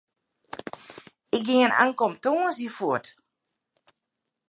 Ik gean ankom tongersdei fuort.